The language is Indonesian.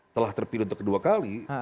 telah terpilih untuk kedua kali